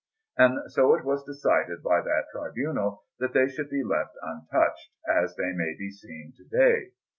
And so it was decided by that tribunal that they should be left untouched, as they may be seen to day.